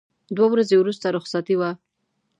دوه ورځې وروسته رخصتي وه.